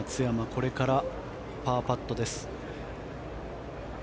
これからパーパットです。